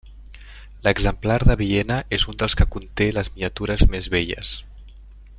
L'exemplar de Viena és un dels que conté les miniatures més belles.